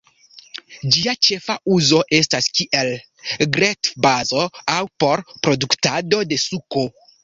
Ĝia ĉefa uzo estas kiel gretfbazo aŭ por produktado de suko.